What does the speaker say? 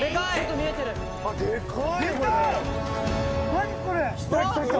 何これ？